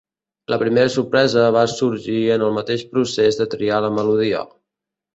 La primera sorpresa va sorgir en el mateix procés de triar la melodia.